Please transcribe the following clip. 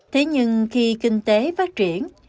thế nhưng khi kinh tế phát triển